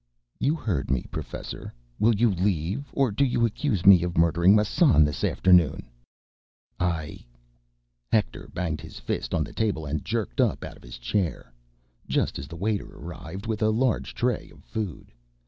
"You heard me, professor. Will you leave? Or do you accuse me of murdering Massan this afternoon?" "I—" Hector banged his fist on the table and jerked up out of his chair—just as the waiter arrived with a large tray of food.